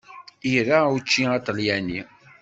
Ira učči aṭalyani.